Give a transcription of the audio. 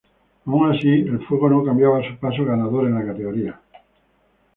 Aun así, la Fuego no cambiaba su paso ganador en la categoría.